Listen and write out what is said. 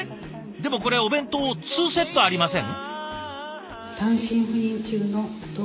でもこれお弁当２セットありません？